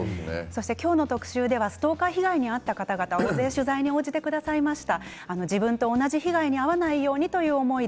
今日の特集ではストーカー被害に遭った方々が取材に応じてくださいました。